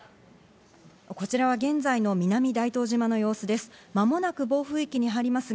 こちらは現在の南大東島の様子です。